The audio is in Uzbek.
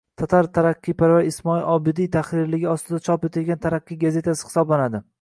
tatar taraqqiyparvari Ismoil Obidiy muharrirligi ostida chop etilgan “Taraqqiy” gazetasi hisoblanadi.